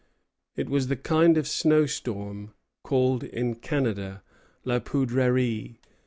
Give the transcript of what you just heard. It was the kind of snowstorm called in Canada la poudrerie.